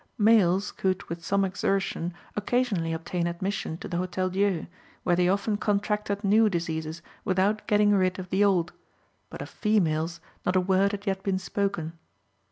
Males could, with some exertion, occasionally obtain admission to the Hotel Dieu, where they often contracted new diseases without getting rid of the old; but of females, not a word had yet been spoken.